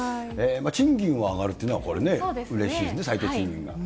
賃金が上がるっていうのは、これね、うれしいね、最低賃金が。